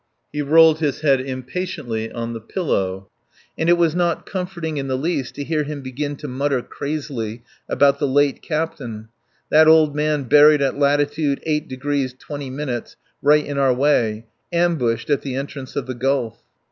He rolled his head impatiently on the pillow. And it was not comforting in the least to hear him begin to mutter crazily about the late captain, that old man buried in latitude 8 d 20', right in our way ambushed at the entrance of the Gulf.